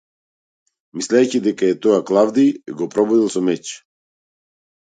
Мислејќи дека е тоа Клавдиј, го прободел со меч.